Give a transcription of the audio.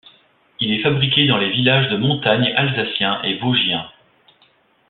Il est fabriqué dans les villages de montagnes alsaciens et vosgiens.